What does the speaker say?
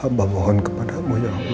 hamba mohon kepadamu ya allah